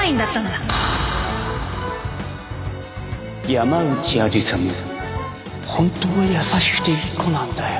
山内愛理沙も本当は優しくていい子なんだよ。